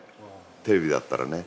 テレビだったらね。